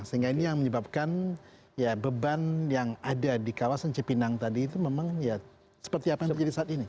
sehingga ini yang menyebabkan ya beban yang ada di kawasan cipinang tadi itu memang ya seperti apa yang terjadi saat ini